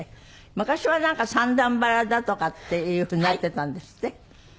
昔は三段腹だとかっていうふうになってたんですって？